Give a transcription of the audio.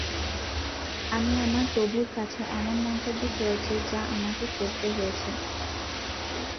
আমি আমার প্রভুর কাছে এমন মন্তব্য করেছি যা আমাকে করতে হয়েছে...